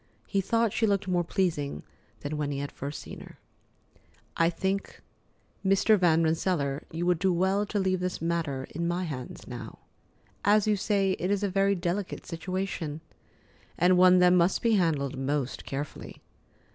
He thought she looked more pleasing than when he had first seen her. "I think, Mr. Van Rensselaer, you would do well to leave this matter in my hands now. As you say, it is a very delicate situation, and one that must be handled most carefully.